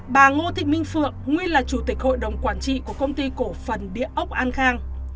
bà ngô thị minh phượng nguyên là chủ tịch hội đồng quản trị của công ty cổ phần địa ốc an khang